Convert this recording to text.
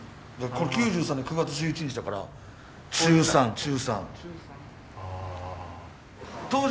これ９３年の９月１１日だから中３中３。